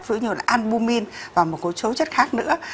với như là albumin và một số chất khác nữa